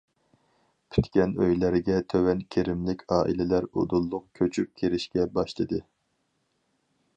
پۈتكەن ئۆيلەرگە تۆۋەن كىرىملىك ئائىلىلەر ئۇدۇللۇق كۆچۈپ كىرىشكە باشلىدى.